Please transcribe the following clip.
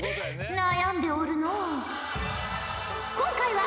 悩んでおるのう。